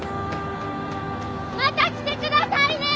また来てくださいね！